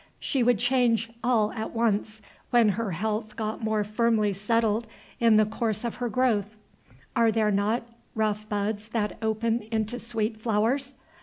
She would change all at once, when her health got more firmly settled in the course of her growth. Are there not rough buds that open into sweet flowers?